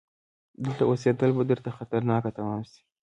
دلته اوسيدل به درته خطرناک تمام شي!